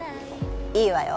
いいわよ